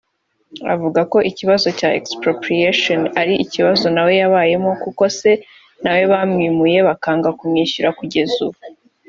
Avuga ko ikibazo cya ‘expropriation’ ari ikibazo nawe yabayemo kuko ngo se nawe bamwimuye bakanga kumwishyura kugeza ubu